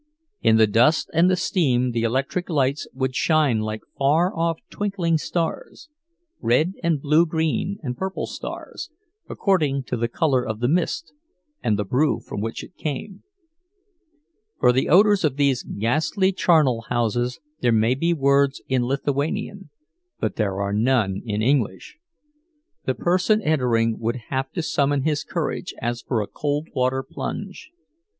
In the dust and the steam the electric lights would shine like far off twinkling stars—red and blue green and purple stars, according to the color of the mist and the brew from which it came. For the odors of these ghastly charnel houses there may be words in Lithuanian, but there are none in English. The person entering would have to summon his courage as for a cold water plunge.